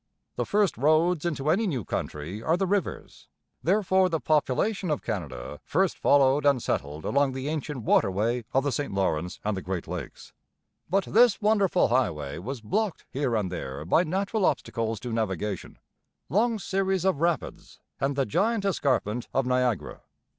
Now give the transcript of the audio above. The first roads into any new country are the rivers. Therefore the population of Canada first followed and settled along the ancient waterway of the St Lawrence and the Great Lakes. But this wonderful highway was blocked here and there by natural obstacles to navigation, long series of rapids and the giant escarpment of Niagara.